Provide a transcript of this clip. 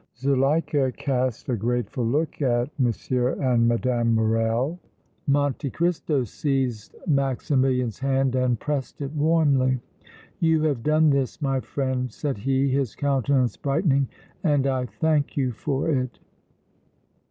Zuleika cast a grateful look at M. and Mme. Morrel. Monte Cristo seized Maximilian's hand and pressed it warmly. "You have done this, my friend," said he, his countenance brightening, "and I thank you for it!"